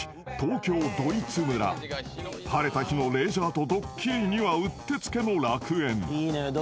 ［晴れた日のレジャーとドッキリにはうってつけの楽園］